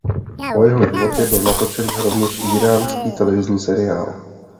O jeho životě byl natočen rovněž íránský televizní seriál.